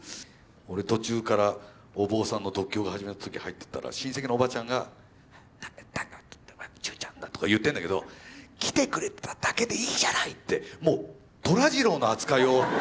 俺途中からお坊さんの読経が始まった時入ってったら親戚のおばちゃんが「じゅんちゃんだ」とか言ってんだけど「来てくれただけでいいじゃない」ってもう寅次郎の扱いを。